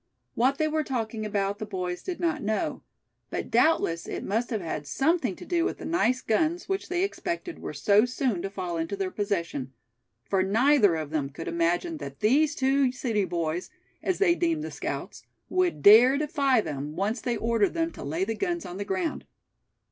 What they were talking about the boys did not know; but doubtless it must have had something to do with the nice guns which they expected were so soon to fall into their possession; for neither of them could imagine that these two city boys, as they deemed the scouts, would dare defy them, once they ordered them to lay the guns on the ground.